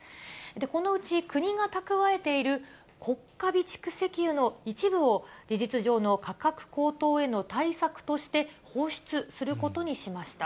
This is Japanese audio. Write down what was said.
このうち国が蓄えている国家備蓄石油の一部を、事実上の価格高騰への対策として放出することにしました。